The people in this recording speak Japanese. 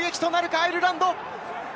アイルランド。